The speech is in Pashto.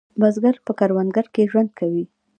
بزګر په کروندو کې ژوند کوي